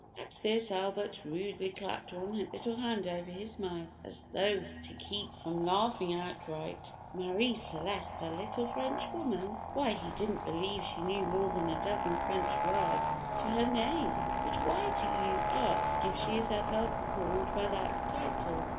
At this Albert rudely clapped one little hand over his mouth, as though to keep from laughing outright. Marie Celeste a little French woman! Why he didn't believe she knew more than a dozen French words to her name. "But why do you ask if she is ever called by that title?"